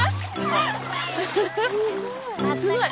すごい。